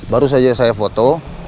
baru saja saya foto